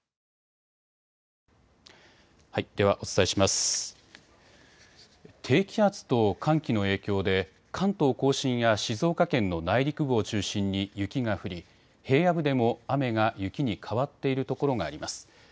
低気圧と寒気の影響で関東甲信や静岡県の内陸部を中心に雪が降り平野部でも雨が雪に変わっているところがあります。